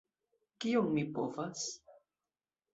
Kion mi povas?